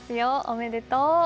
おめでとう。